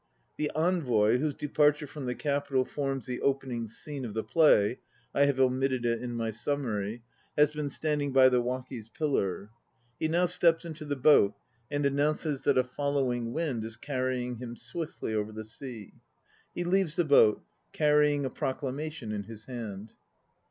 The envoy, whose departure from the Capital forms the opening scene of the play I have omitted it is my summary has been standing by the "Waki's pillar." He now steps into the boat and announces that a following wind is carrying him swiftly over the sea. He leaves the boat, carrying a Proclamation in his hand.